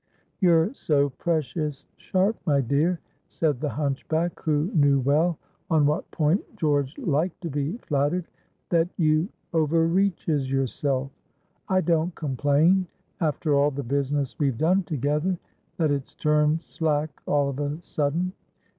"You're so precious sharp, my dear," said the hunchback, who knew well on what point George liked to be flattered, "that you overreaches yourself. I don't complain—after all the business we've done together—that it's turned slack all of a sudden.